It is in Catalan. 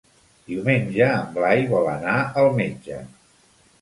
Diumenge en Blai vol anar al metge.